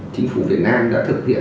chính phủ việt nam đã thực hiện